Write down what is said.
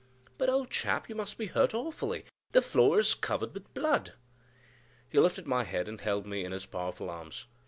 "But, old chap, you must be hurt awfully; the floor is covered with blood!" He lifted my head and held me in his powerful arms.